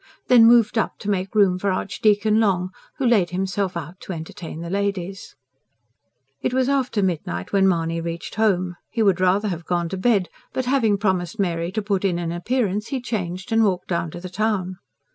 Then moved up to make room for Archdeacon Long, who laid himself out to entertain the ladies. It was after midnight when Mahony reached home. He would rather have gone to bed, but having promised Mary to put in an appearance, he changed and walked down to the town.